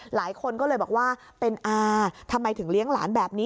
หลายคนก็เลยบอกว่าเป็นอาทำไมถึงเลี้ยงหลานแบบนี้